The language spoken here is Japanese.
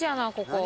ここ。